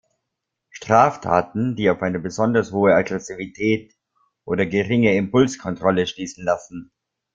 Straftaten, die auf eine besonders hohe Aggressivität oder geringe Impulskontrolle schließen lassen.